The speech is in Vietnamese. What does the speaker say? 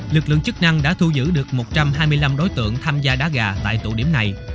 lực lượng chức năng đã thu giữ được một trăm hai mươi năm đối tượng tham gia đá gà tại tụ điểm này